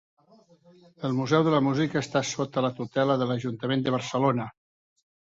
El Museu de la Música està sota la tutela de l'Ajuntament de Barcelona.